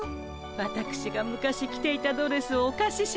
わたくしが昔着ていたドレスをおかししましたの。